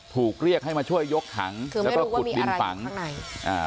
ถูกเรียกให้มาช่วยยกถังคือไม่รู้ว่ามีอะไรข้างในแล้วก็ขุดดินผังอ่า